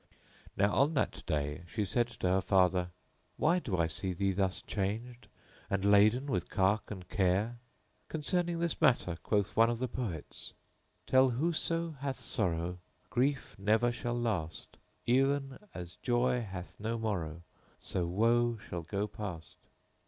Now on that day she said to her father, "Why do I see thee thus changed and laden with cark and care? Concerning this matter quoth one of the poets.— Tell whoso hath sorrow * Grief never shall last: E'en as joy hath no morrow * So woe shall go past."